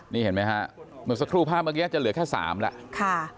นี่เห็นไหมฮะเหมือนสักครู่ภาพเมื่อกี้จะเหลือแค่๓แล้ว